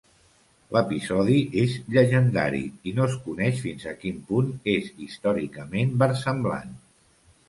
L'episodi és llegendari i no es coneix fins a quin punt és històricament versemblant.